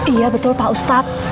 iya betul pak ustadz